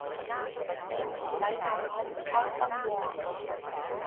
你唔使代我唔開心喎